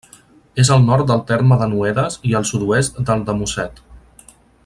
És al nord del terme de Noedes i al sud-oest del de Mosset.